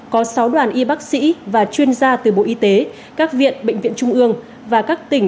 có sáu đoàn y bác sĩ và chuyên gia từ bộ y tế các viện bệnh viện trung ương và các tỉnh